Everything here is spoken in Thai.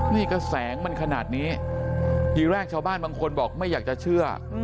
นี่ก็แสงมันขนาดนี้ทีแรกชาวบ้านบางคนบอกไม่อยากจะเชื่อ